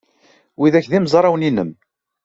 Widak d imezrawen-nnem?